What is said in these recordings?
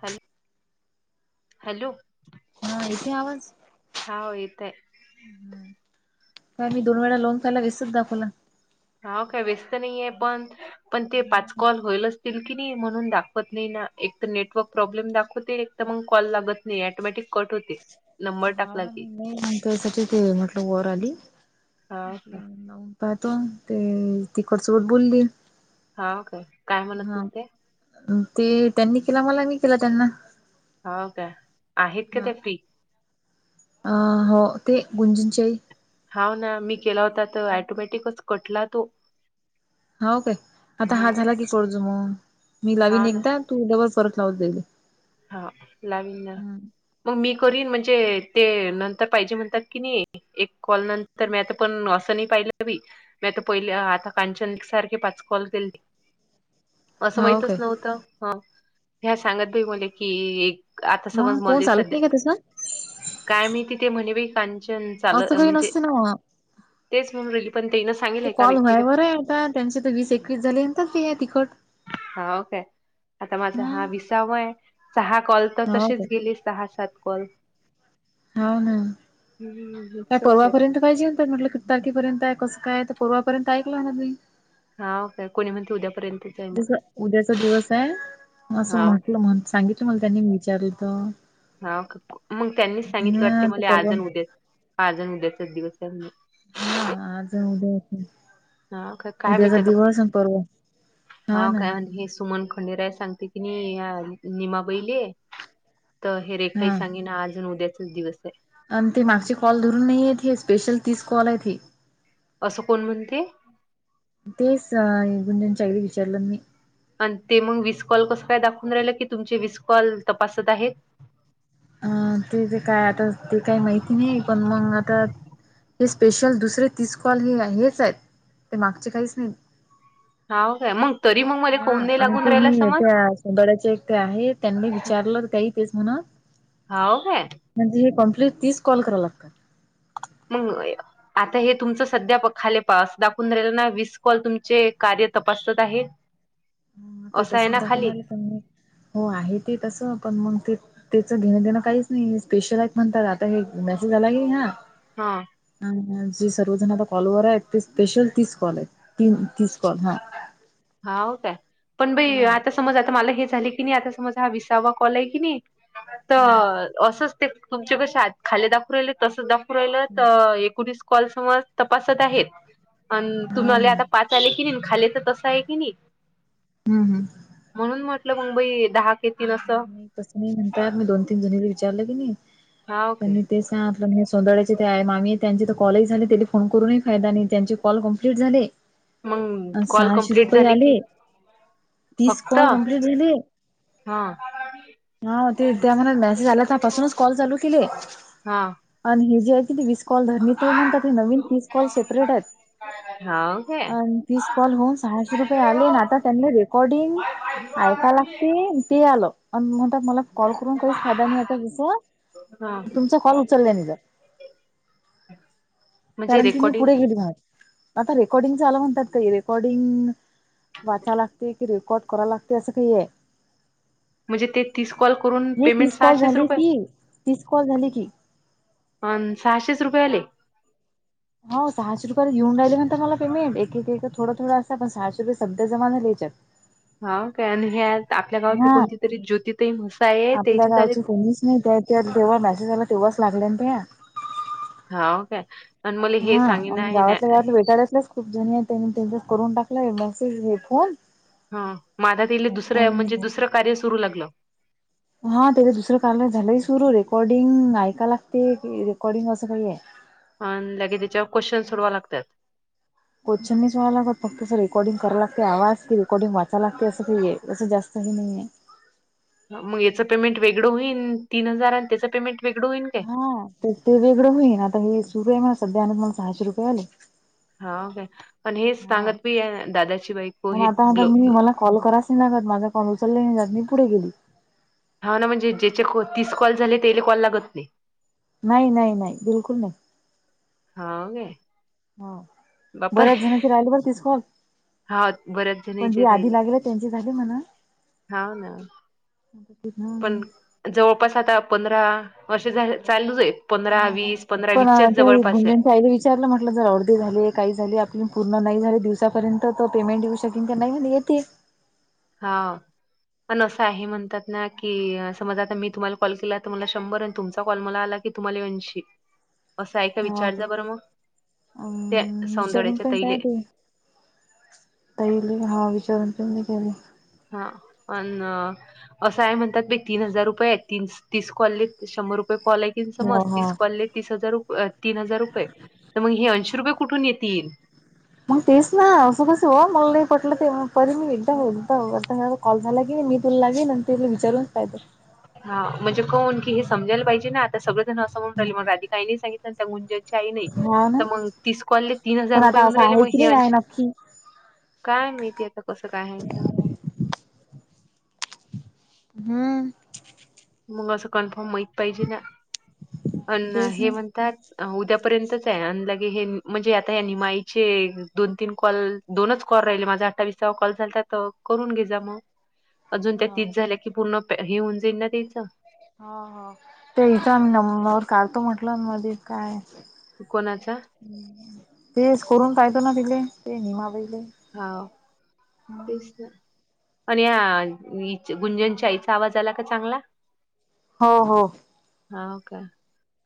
Hello hello किती आवाज हा येत आहे ह का मी दोन वेळा लोन प्यायला विसत द खला हा काय व्यस्त नाहीये पण पण ते पाचकॉल होईल असतील नाही म्हणून दाखवत नाही एक तर नेटवर्क प्रॉब्लेम दाखवते मग कॉल लागत नाही टोमॅटिक क हो हा ना मी नाही म्हग त्यासाठीच म्हटलं वर आली हा काय म्हट पाहतो ते ती कडसकट बोलली हा काय काय म्हणत हा नव्हते ते त्यांनी केला मला मी केला त्यांना हो का आहेत का हा ते फ्री अ हो ते गुंजनचेई हा ना मी केला होता तर ऍटोमॅटिकच कटला तो हा काय आता हा ह झाला की पडजू मग मी हा लावीन ना एकदा तू डबल. परत लावत जाईल हा लावीन ना मग मी करन म्हणजे म्हणजे ते नंतर पाहिजे म्हणतात की नाही एक कॉल नंतर मी आता पण असं नाही पाहिलं हवी मी आता पहिले आता कांचन सारखे पाच कॉल दि असं हा माहितच काय नव्हतं ह ह्या सांगत भाई मले कि एक आता मग समज कोण मली चालत सध्या नाही का त्याच काय मी तिथे म्हणे बा का असं काही नसते ना तेच म्हणून राहिली पण तेन सांगितलं ते एका कॉल व्यक्तीने व्हायावर आहे आता त्यांचे तर वीस एकवीस झालेंत ते तिखट हा ओके आता माझा हम हा विसावा आहे सहा कॉल तर हो तसेच गेले सहा सात कॉल होा ना हम्म काय जाऊदे परवापर्यंत पाहिजे होत म्हटलं तारखेपर्यंत कसं काय तर पूर्वापर्यंत ऐकलं हो ना तु्ही हा काय कोणी म्हणते उद्यापर्यंत तस उद्याचा दिवस आहे असं हाव काय म्हटलं म्ह सांगितलं मला त्यांनी मी विचारलं तो हा मग त्यांनीच सांगितलं वाटते आता मला आज परवा उद्या आजण उद्याचाच दिवस आहे हा आज उद्याच हा काय काय मिीतीताूप हा काय म्ह हे सुमन पंडीराय सांगते की नाही निमाबैले तर हे रेखाही हा सांगेना अजून उद्याचाच दिवस आहे आणि ते मागचे कॉल धरून नाहीय ती स्पेशल तीस कॉल आहे ती असं कोण म्हणते तेच गुंजनच्यागली विचारलं मी आणि ते मग विसकॉल कसं काय दाखवून राहिलं की तुमचे विसकॉल तपासत आहेत अ ते तेे काय आता ते काही माहिती नाही पण मग आता हे स्पेशल दुसरे तीस कॉल हे हेच आहेत ते मागचे काहीच नाही हा काय मग तरी मग मला हा काऊन नाही आम लागून ते राहिला मी समज त्या सोडळ्याचे एक आहे त्यांनी विचारलं काही ते म्हणात हा का प्लीज तीच कॉल कराव लागतात मग आता हे तुमच सध्या खाले पास दाखवून राहिल ना विस कॉल तुमचे तपासत आहे ह ते असं आहे तसद् ना खाली दाखवणार पण हो आहे ते तस पण मग ते त्याचं घेणं देणं काहीच नाही स्पेशल म्हणतात आता हे मेसेज आला क हा हा ज सर्वजनता कॉलोवरा स्पेशल तीसकल आहे त तीसकॉल हा हा होतय पण बाई हा आता समज आता मला हे झाले की नाही आता समज हा विसावा कॉल आहे की नाही हा तर असंच ते तुमचे कसे आत खाली दाखवून राले तसच दाखव एकोणीस कॉलसर तपासत आहेत अ हा तुम्हाला ना आता पाच आले की नाही खालेचं तसं आहे की नाही हम्म हम्म आपल्या मुंबई ह नाही कसं नाही म्हणत मी दोन तीन जणी विचारलं की नाही हाव काय पण तेच्या आपलं सोंदड्याचे ते आहे मामी त्यांचे तर कॉल झाले त्या फोन करूनही फायदा नाही त्यांचे कॉल कम्प्लीट झाले मग अ कॉल सहाशे कम्प्लीट रुपये झाले आले की तीस फक्त कॉल कम्प्लीट झाली हा हा ते त्या म्ह मेसेज आल्या पासूनच कॉल चालू केले हा हे जे आहे कि वीस कॉल धरणी ते म्हणतात हे नवीन वीस कॉल सेपरेट आहेत हा आणि तीस कॉल होऊन सहाशे रुपये आले आणि आता त्यांनी रेकॉर्डिंग ऐकायला ते आलं म्हणत मला कॉल करून काही फायदा नाही आता जस हा तुमचा कॉल उचललं नाही जर म्हणजे कारण की मी रेकॉर्डिंग पुढे गेली म आता रेकॉर्डिंग ला म्हणतात का रेकॉर्डिंग वाचा लागते की रेकॉर्ड करा लागते असं काही आहे म्हणजे ते तीस कॉल करून हे पेमेंट तीस कॉल सहाशेच झाली रुपये की तीस कॉल झाली की अ सहाशेच रुपये आले हो सहाशे रुपयाला घेऊन राहिल्या नंतर मला पेमेंट एक एक एक थोडं थोडं असं पण सहाशे रुपये सध्या जमा झा ल्यायच्यात हा काय आणि ह्या हा आहे आपल्या त्याचे झाले गावची कोणीच नाही त्या जेव्हा मेसेज आला तेव्हा लागलेन त्या हा ओ का हा गावातल्या गावातलं बेटालातलंच खूप जण त्यांनी त्यांचा करून टाकलाय मेसेज हे फोन ह माझा ति दुसरं अ म्हणजे दुसरं कार्य सुरू लागलं हा त्याला दुसरं कारण झालं सुरू रेकॉर्डिंग ऐका लागते की रेकॉर्डिंग असं काही आहे अ लागे त्याच्यावर क्वेश्चन् सोडवा लागतात क्चन मच्हाय लात फक्त अस रेकॉर्डंग कराय लागते आवाज क रेकॉर्डिंग वाचय लागते असं असं जास् काही नाही आहे मग याच पेमेंट वेगळं होईन तीन हजार आणि त्याच पेमेंट वेगळं होईन काय? हा तर ते वेगळं होईन आता हे सुरू आहे मणा सध्या आण म सहाशे रुपये आले हा का पण हेच हा सांगत बी आहे दादाची बायको पण आता आता हे्लो मी मला कॉल करायच नाही माझा कौल उचलले नाही जात मी पुढे गेली हा ना म्हणजे ज्याचे तीस कॉल झाले तेले कॉल लागत नाही नाही नाही नाही बिलकुल नाही हाव काय हा बापरे! बऱ्याच जण्याची राहिल बर तिस कॉल हाव पण जे आधी लागेल त्यांचे झाले म्ह हा ना पण जवळपास आता पंधरा असे चालूच आहे पंधरा ह वीस पंधरा पण वीसच्याच त्या जवळपास आहे गुंजांच्या आईला विचारलं म्हटलं जर अर्धे झाले काही झाली पूर्ण नाही झाले दिवसापर्यंत त पेमेंट येऊ शकेन की नाही म्ह येते हा पण असं आहे म्हणतात ना की समज आता मी तुम्हाला कॉल केला तर मला शंभर आणि तुमचा कॉल मला आला हे तुम्हाला वंशी असं आहे का हा विचार जा बरं मग त्या अम सौंदड्याच्या तैले ल हा विचारून पी केले हा पण असं का म्हणतात तीन हजार रुपये ती तीस कॉलली शंभर रुपय कॉल कि हो हो समज कॉले तीस हजार तीन हजार रुपये तर मग हे ऐंशी रुपये कुठून येतील मग तेस ना असं कसं व मला नाही पटलं ते परी मी एकदा एकदाता कॉल झाला की मी तुला लागे त हा म्हणजे कोण कि हे समजायला पाहिजे ना आता सगळं ं म्हण राहिगधी का नाही सांगित गुंज नाही हा ना तर मग तीसकल तीन हजार पण रुपये आता येऊन असं राहिले आहे मग की हे नाही आहे अंश नक्की काय मिीती आता कसं काय आहेथ हम्म मग असं कन्फर्म माहत पाहिजे ना अ तेच हे ना म्हणतात उद्यापर्यंतच आहे आणि लगे हे म्हणजे आता या निमाईचे दोन तीन कॉल दोनच कर राहिले माझा अठ्ठावीस कॉल झालता तोवर करून घे जा मग अजून त्या हो तीस झाल्या की पूर्ण हे होऊन जाईल ना त्याच हा हा ते इथं नमनावर काढतो म्हटलं मध्ये काय कोणाचा तेस करून तय तो ना दिले ते निमवे हा तेच प ह्या गुंजनच्या आईचा आवाज आला का चांगला हो हो हा का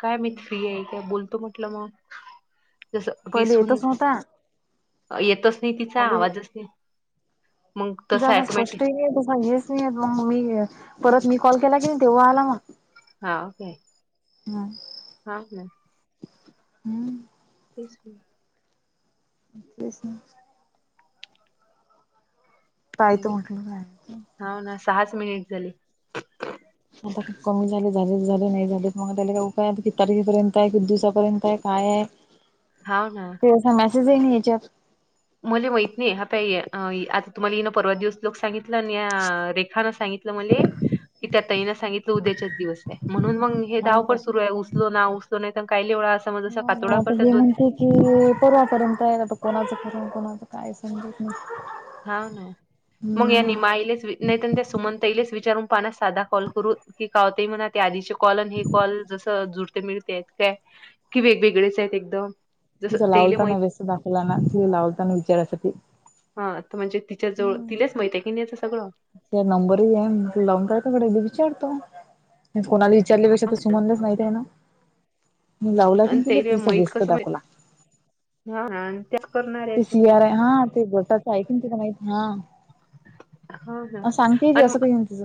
काय मी फ्री आहे काय बोलतो म्हटलं मग जसं वीस पहिले होऊन येतच ज- नव्हता येतच नाही तिचा आवाजच नाही मग तिझ तसं असा स्पष्ट ऑटोमॅटिक नाही आहे तसा येच नाही आहे मग मग मी परत मी कॉल केला की तेव्हा आला मग हा ओके हा हा हम्म तेच तेच मग पाय त मी- म्हठलं का हाव ना सहाच मिनिट झाले आता खूप कमी झाले झालेच झाले नाही झाले मग त्याला का उ काय की तारखेपर्यंत आहे कि दिवसापर्यंत आहे काय आहे हा ना ते असा याच्यात मला माहित नाही हा ताई आता तुम्हाला हिनं परवा दिवस लोक सांगितलं आणि या रेखा सांगित क त्या ताईना सांगितलं उद्याच्याच दिवस आहे म्हणून मग हे हा धावपळ काय सुरू आहे उचलो ना उचलो नाही काही हो ना आता हे म्हणते की परवापर्यंत आहे ना आता कोणाचं करून कोणाच काय समजत नाही हा ना मग या नि हम्म मालेच नाहीत त्या सुमंतईलेच वि [inaudible] साधा कॉल करू काय होते म्हणून आधीचे कॉल आणि हे कॉल जसे जुळते मिळते कि वेगवेगळेच आहेत एकदम जसं तिचां तेले लावलताना माहित व्यस्त दाखवला ना ति लावलताना विचारासाठी हा आता म्हणजे तिच्या जवळ तिलाच मैत किणीच त्या नंबर आहे लावून काय काकडे विचारतो कोणाला विचारल्यापेक्षा त सु म्हणलंच माहित आहे ना. मी लावला की आणि तुला ते तस माहित वेस्त कसं दाखवला‌. हा आणि त्याच करणार आहे ते सगळं शियारा आहे हा ते बसाच आहे कि तला माहित हा. हा हा सांगते ती आणि असं काही नाही तिचं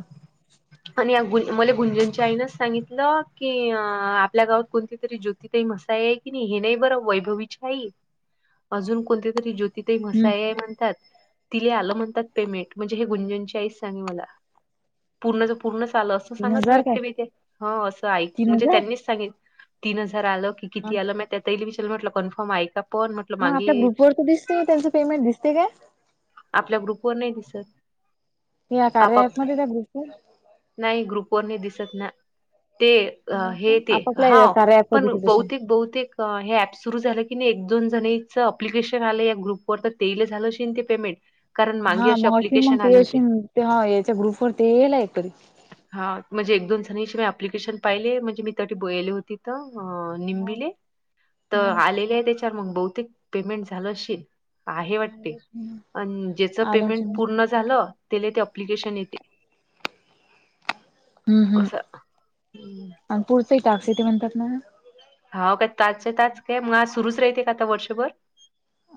आणि गु. मले गुंजनच्या आईनच सांगितलं की आपल्या गावात कोणती तरी ज्योतिताई मसाई आहे की नाही. हे नाही बर वैभवी आहे अजून कोणते तरी जो. तिथे हम्म म्हसाई म्हणतात तिले आलं म्हणतात. पेमेंट हे गुंजन च्या आईच सांगे मला. असं तीन सांगत हजार काय हो तीन असं हजार त्यांनी सांगितलं तिने. आल की किती आलं म त्या विचार म्हटलं कन्फर्म आहे का? पण म्हटलं मग आपल्या मागे ग्रुप वर तर दिसते मग त्यांचं पेमेंट दिसते का. आपल्या ग्रुपवर नाही दिस कार्या आपप ऍप मध्ये त्या ग्रुपवर नाही ग्रुप कोणी दिसत ना ते नाही का हे ते हा आपापल्या कार्या ऍप पण मध्ये तशी बहुतेक बहुतेक हे ॲप सुरू झालं एक दोन जणांचं अप्लीकेशन आलय या ग्रुप वर ते हे झाले असेल पेमेंट कारण हा मागे असे मग अशी मग अप्लिकेशन ते आले अशी होते. ह याच्या ग्रुप वर तेला एकतरी. हा म्हणजे एक दोन जणांशी मी अऍप्लिकेशन पाहिले म्हणजे मी त्या बोले होती तर. अ हा निंबिले तर हा आलेले आहे त्याच्यावर मग बहुतेक पेमेंट झालं असशील. आहे वाटते. अ ज्याच आलोच पेमेंट हम्म पूर्ण झालं त्याला ते अप्लिकेशन येते. हो असं. ते टास्क येतेे म्हणतात ना. हा काय ताचचे तच काय मग आज सुरूच राहते का आता वर्षभर.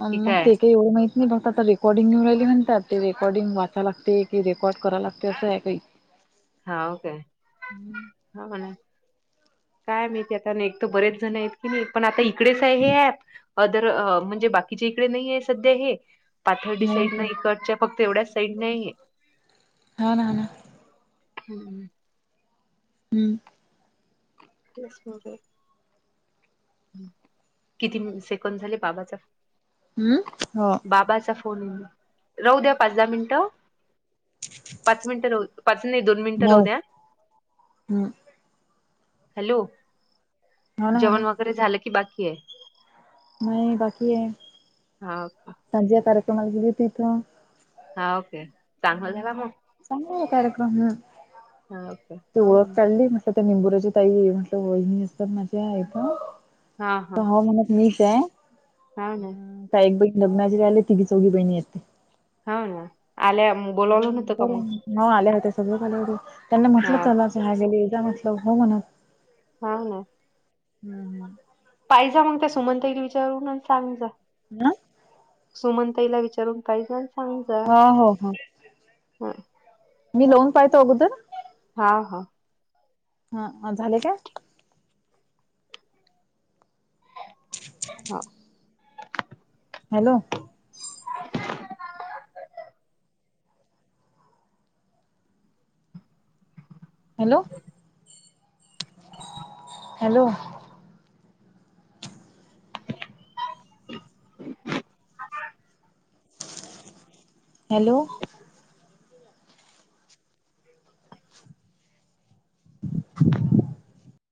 अ कि मग काय ते काही एवढं माहित नाही फक्त आता रेकॉर्डिंग येऊन राहिले म्हूतात ते रेकॉर्डिंग वा लागते की रेकॉर्ड कराव लागते असं आहे काही. हा ओ काे ह म्हणे. काय माहिती आता एक तर बरेच जण आहेत की नाही पण आता इकडेच आहे हे ऍप अदर म्हणजे बाकी. बाकीच्या इकडे नाही आहे सध्या हे पाथर्डी साईड नाही इकडच्या फक्त एवढ्याच साईड नाही आहे हा ना ह ना. हम्म. हम्म. तस मज. किती सेकंड झाले बाबाचा. हम्म हो. बाबाचा राहू द्या पाच दहा मिनिटं. पाच मिनटं र पाच नाही दोन मिनिटं राहु नऊ द्या हम्म हॅलो हो ना हो ना जेवण वगैरे झालं कि बाकी आहे. नाही बाकी आहे हा ओके सध्या कार्यक्रमला गेली त इथ. हा ओके चांगलंवा मग ह हा ओके ते हो ओळख ना काढली म. त्या निंबूराची ताई म्हटलं वणी असत माझी आहे हा पण हा ह म्हणत मी ते हा ना. लग्नाचीहिले तिघी चौघी बहिणी येते. हा ना आल्या बोलावलं नव्हतं का मग. स हो त्यांनी हा म्हटलं चला ह गेलेदा म्हटलं हो म्हणत हा ना. हम्म हम्म. पाहिज मग त्या सुमंतई विचारून आणि सांग जा. हम सुमनताईला विचारून पाहिजे. हा हो हो मी लोन पाहतो अगोदर हा हा हा झाले का? हा हॅलो हॅलो हॅलो [unintelligible] हॅलो [inaudible]